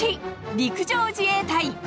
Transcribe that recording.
陸上自衛隊。